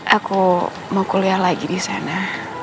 aku mau kuliah lagi disana